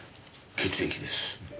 血液です。